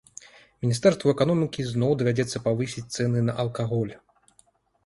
Міністэрству эканомікі зноў давядзецца павысіць цэны на алкаголь.